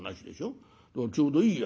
ちょうどいいや。